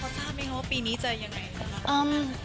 เขาทราบไหมคะว่าปีนี้จะยังไงนะครับ